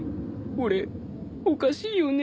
俺おかしいよね。